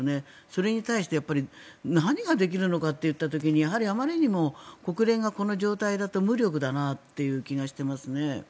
それに対して何ができるのかといった時にやはりあまりにも国連がこの状態だと無力だなっていう気がしていますね。